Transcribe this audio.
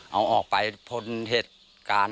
เอาออกไปพ้นเหตุการณ์